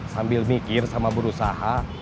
sambil mikir sama berusaha